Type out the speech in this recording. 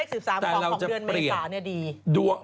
ทุกครั้งเลข๑๓ของเดือนเมษาเนี่ยดี